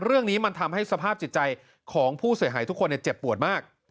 เรื่องนี้มันทำให้สภาพจิตใจของผู้เสียหายทุกคนเจ็บปวดมาก